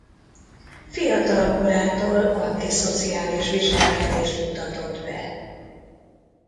Fiatal korától antiszociális viselkedést mutatott be.